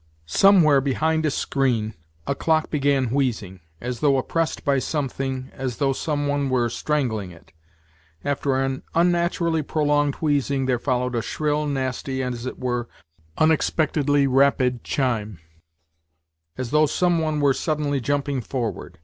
.. Somewhere behind a screen a clock began wheezing, as though oppressed by something, as though some one were stran gling it. After an unnaturally prolonged wheezing there followed a shrill, nasty, and as it were unexpectedly rapid, chime as though some one were suddenly jumping forward.